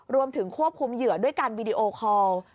รวมถึงควบคุมเหยื่อด้วยการวีดีโอคอล